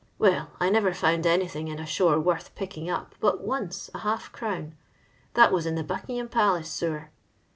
"Well, I never found anything in a jtAow worth picking up but once a half crown. That was in the Buckingham Palace sewer.